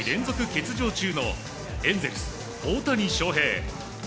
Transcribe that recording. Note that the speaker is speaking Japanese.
欠場中のエンゼルス、大谷翔平。